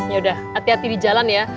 yaudah hati hati di jalan ya